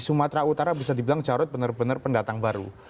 sumatera utara bisa dibilang jarod benar benar pendatang baru